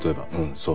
そう。